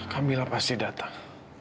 kamila pasti datang